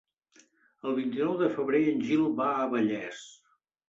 El vint-i-nou de febrer en Gil va a Vallés.